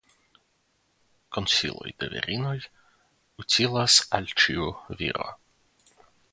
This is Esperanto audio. Konsiloj de virinoj utilas al ĉiu viro.